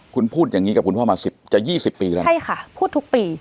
คุณพูดอย่างนี้กับคุณพ่อมาสิบจะยี่สิบปีแล้วใช่ค่ะพูดทุกปี